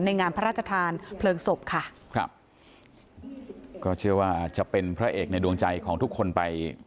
งามพระราชทานเพลิงศพค่ะครับก็เชื่อว่าจะเป็นพระเอกในดวงใจของทุกคนไป